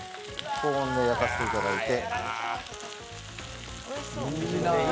高温で焼かせていただいて。